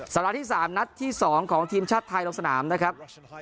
สำหรับที่สามนัดที่สองของทีมชาติไทยร่วงสนามนะครับ